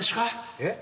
えっ？